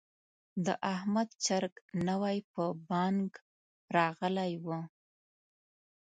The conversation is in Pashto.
د احمد چرګ نوی په بانګ راغلی دی.